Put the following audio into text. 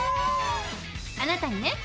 あなたにね